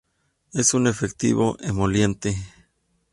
Es un efectivo emoliente.